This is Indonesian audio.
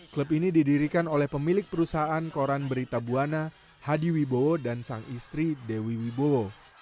klub ini didirikan oleh pemilik perusahaan koran berita buana hadi wibowo dan sang istri dewi wibowo